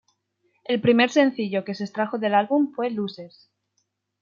El primer sencillo que se extrajo del álbum fue "Losers".